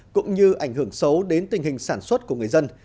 cũng như ảnh hưởng xấu đến tình hình sản xuất của người dân